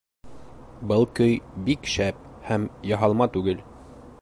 Был көй бик шәп һәм яһалма түгел